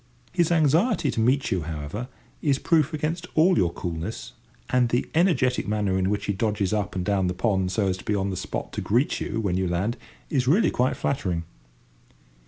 His anxiety to meet you, however, is proof against all your coolness, and the energetic manner in which he dodges up and down the pond so as to be on the spot to greet you when you land is really quite flattering.